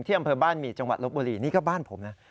อำเภอบ้านหมี่จังหวัดลบบุรีนี่ก็บ้านผมนะ